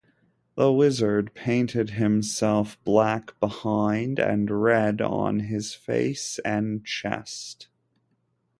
The wizard painted himself black behind and red on his face and chest.